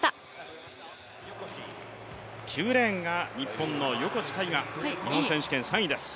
９レーンが日本の横地大雅、日本選手権３位です。